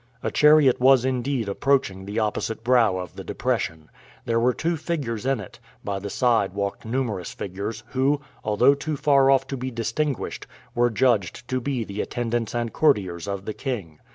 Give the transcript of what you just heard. A chariot was indeed approaching the opposite brow of the depression; there were two figures in it; by the side walked numerous figures, who, although too far off to be distinguished, were judged to be the attendants and courtiers of the king.